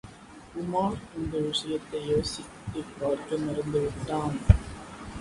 உமார் இந்த விஷயத்தை யோசித்துப்பார்க்க மறந்துவிட்டான்.